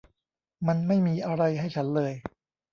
มันไม่มีอะไรให้ฉันเลย